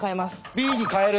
Ｂに変える！